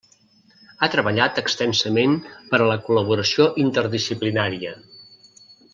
Ha treballat extensament per a la col·laboració interdisciplinària.